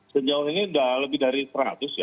sejauh ini sudah lebih dari seratus ya